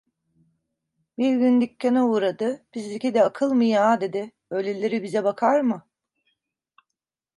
Bir gün dükkana uğradı: "Bizdeki de akıl mı ya?" dedi, "öyleleri bize bakar mı?"